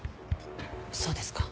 そうですか。